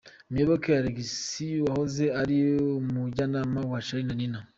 Muyoboke Alex wahoze ari umujyanama wa Charly na Nina.